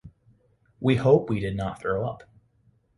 We hope we did not throw up.